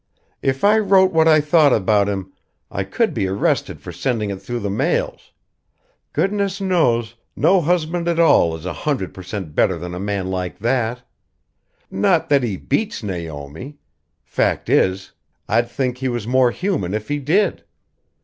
"If I wrote what I thought about him, I could be arrested for sending it through the mails. Goodness knows, no husband at all is a hundred per cent better than a man like that. Not that he beats Naomi. Fact is, I'd think he was more human if he did.